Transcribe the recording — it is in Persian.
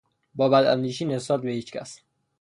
با بداندیشی نسبت به هیچ کس